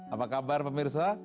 apa kabar pemirsa